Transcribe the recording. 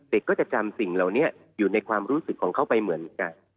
ก็จะจำสิ่งเหล่านี้อยู่ในความรู้สึกของเขาไปเหมือนกัน